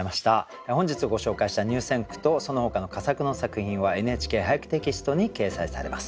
本日ご紹介した入選句とそのほかの佳作の作品は「ＮＨＫ俳句テキスト」に掲載されます。